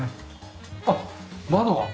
あっ窓は。